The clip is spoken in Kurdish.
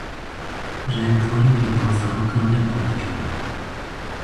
Rengkorî di nav zarokan de derdikeve.